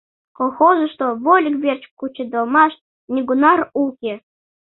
Колхозышто вольык верч кучедалмаш нигунар уке.